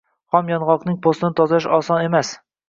Xom yong‘oqning po‘stini tozalash oson emas.